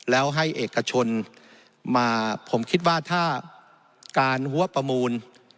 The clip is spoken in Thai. แล้วให้เอกชนมาผมคิดว่าถ้าการหัวประมูล